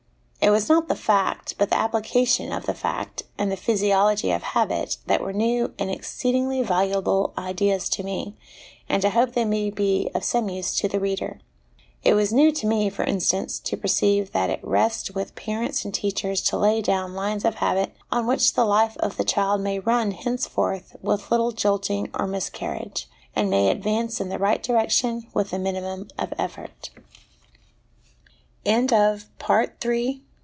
It was not the fact, but the application of the fact, and the physiology of habit, that were new and exceedingly valuable ideas to me, and I hope they may be of some use to the reader. It was new to me, for instance, to perceive that it rests with parents and teachers to lay down lines of habit on which the life of the child may run henceforth with little jolting or miscarriage, and may advance in the right direction with the minimum of effort.